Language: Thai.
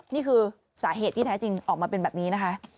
นี่คือสาเหตุที่แท้จริงออกมาเป็นแบบนี้นะคะ